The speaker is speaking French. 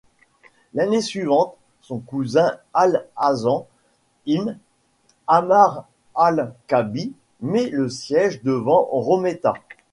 L'année suivante, son cousin al-Hasan ibn Ammar al-Kalbi met le siège devant Rometta.